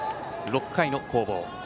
６回の攻防。